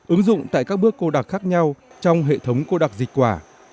ứng dụng tại các bước cô đặc khác nhau trong hệ thống cô đặc dịch quả